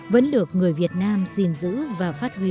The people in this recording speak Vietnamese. vẫn được người việt nam giữ và phát huy